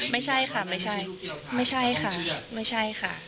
ไม่ใช่ค่ะไม่ใช่ไม่ใช่ค่ะไม่ใช่ค่ะ